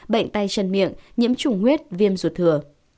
bệnh tay chân miệng nhiễm trùng huyết viêm ruột thừa